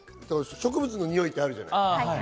植物のにおい、あるじゃない。